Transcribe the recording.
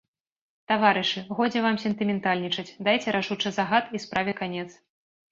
Таварышы, годзе вам сентыментальнічаць, дайце рашучы загад, і справе канец.